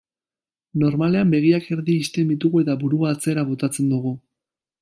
Normalean, begiak erdi ixten ditugu eta burua atzera botatzen dugu.